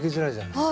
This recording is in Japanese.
はい。